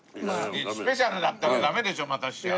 スペシャルだったらダメでしょ待たせちゃ。